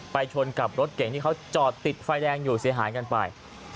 ชนกับรถเก่งที่เขาจอดติดไฟแดงอยู่เสียหายกันไป